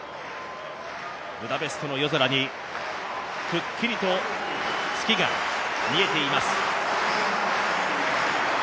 ブダペストの夜空にくっきりと月が見えています。